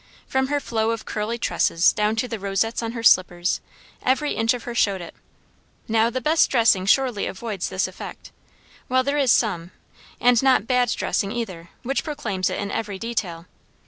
From her flow of curly tresses down to the rosettes on her slippers, every inch of her showed it. Now the best dressing surely avoids this effect; while there is some, and not bad dressing either, which proclaims it in every detail.